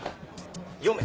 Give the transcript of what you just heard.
読め。